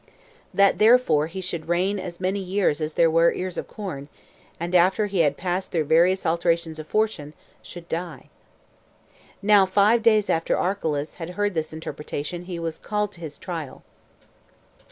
That therefore he should reign as many years as there were ears of corn; and after he had passed through various alterations of fortune, should die. Now five days after Archelaus had heard this interpretation he was called to his trial.